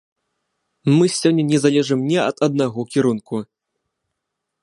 Мы сёння не залежым ні ад аднаго кірунку.